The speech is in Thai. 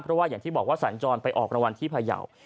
เพราะว่าอย่างที่บอกว่าสัญจรไปออกรางวัลที่พยาว